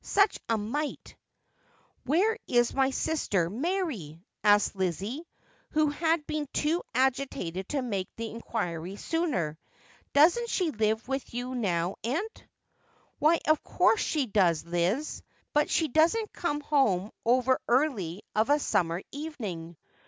Such a mite !' 'Where is my sister Mary V asked Lizzie, who had been too agitated to make the inquiry sooner. ' Doesn't she live with you now, aunt ?'' Why, of course she does, Liz — but she don't conio home overearly of a summer evening.